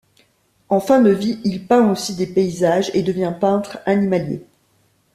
En fin de vie, il peint aussi des paysages et devient peintre animalier.